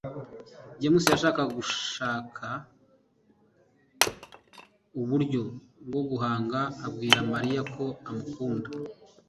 james yashakaga gushaka uburyo bwo guhanga abwira mariya ko amukunda